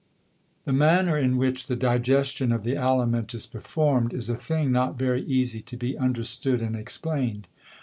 _ The manner in which the Digestion of the Aliment is performed, is a thing not very easie to be understood and explained.